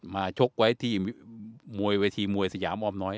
ชกไว้ที่มวยเวทีมวยสยามออมน้อย